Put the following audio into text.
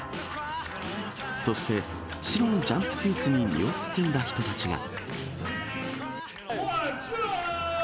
そして白のジャンプスーツに身を包んだ人たちが。